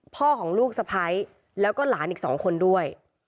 พ่อของลูกสะพ้ายแล้วก็หลานอีก๒คนด้วย